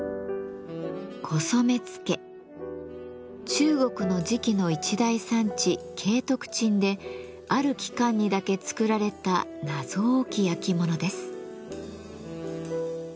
中国の磁器の一大産地景徳鎮である期間にだけ作られた謎多き焼き物です。